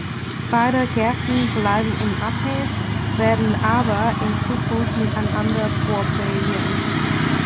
Beide Gärten bleiben unabhängig, werden aber in Zukunft miteinander kooperieren.